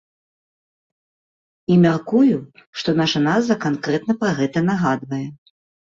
І мяркую, што наша назва канкрэтна пра гэта нагадвае.